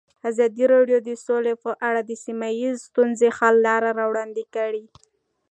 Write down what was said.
ازادي راډیو د سوله په اړه د سیمه ییزو ستونزو حل لارې راوړاندې کړې.